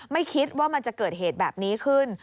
ไม่คิดว่ามันจะเกิดเหตุแบบนี้ขึ้น